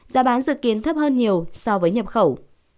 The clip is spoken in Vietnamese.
giá bán dự kiến thấp hơn nhiều so với nhập khẩu